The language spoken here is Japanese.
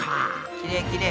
きれいきれい。